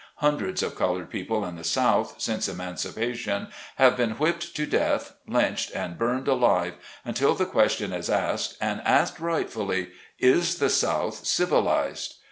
Hundreds of colored people in the South, since emancipation, have been whipped to death, lynched, and burned alive, until the question is asked, and asked rightfully, "Is the South civilized?"